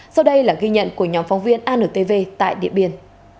sau đây là ghi nhận của nhóm phóng viên antv tại điện biên